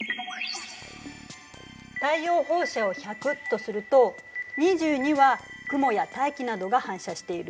太陽放射を１００とすると２２は雲や大気などが反射している。